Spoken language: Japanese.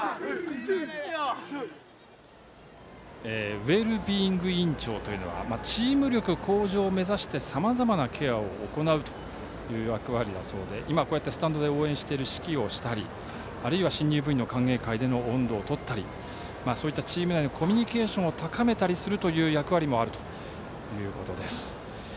ウェルビーイング委員長というのはチーム力向上を目指してさまざまなケアを行うという役割だそうで今、スタンドで応援している指揮をしたりあるいは新入部員の歓迎会で音頭をとったりコミュニケーションを高める役割があるということです。